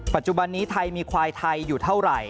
ปัจจุบันนี้ไทยมีควายไทยอยู่เท่าไหร่